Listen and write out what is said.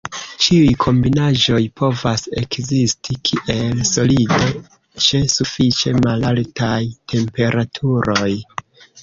Ĉiuj kombinaĵoj povas ekzisti kiel solido, ĉe sufiĉe malaltaj temperaturoj.